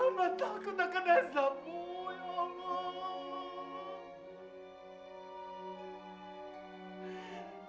hamba takut akan aslamu ya allah